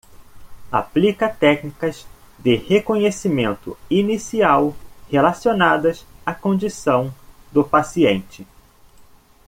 Aplica técnicas de reconhecimento inicial relacionadas à condição do paciente.